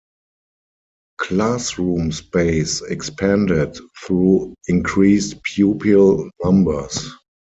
Classroom space expanded through increased pupil numbers.